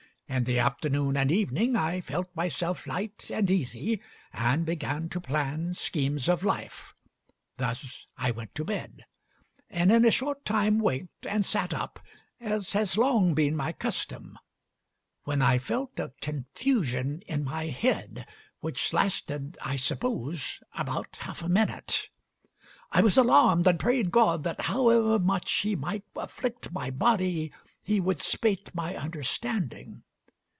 In the afternoon and evening I felt myself light and easy, and began to plan schemes of life. Thus I went to bed, and in a short time waked and sat up, as has long been my custom; when I felt a confusion in my head which lasted, I suppose, about half a minute; I was alarmed, and prayed God that however much He might afflict my body He would spate my understanding....